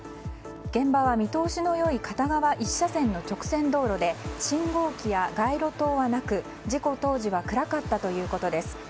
現場は見通しの良い片側１車線の直線道路で信号機や街路灯はなく事故当時は暗かったということです。